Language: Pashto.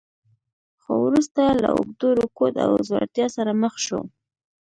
خو وروسته له اوږده رکود او ځوړتیا سره مخ شو.